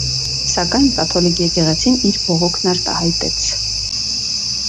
Սակայն, կաթոլիկ եկեղեցին իր բողոքն արտահայտեց։